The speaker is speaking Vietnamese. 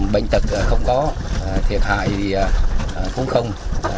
bệnh tật không có thiệt hại thì cũng không